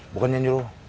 bukan nyanyi dulu